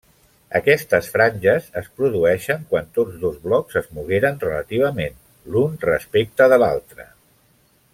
Aquestes franges es produeixen quan tots dos blocs es mogueren relativament, l'un respecte de l'altre.